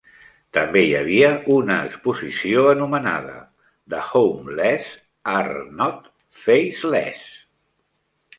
També hi havia una exposició anomenada "The Homeless are not Faceless".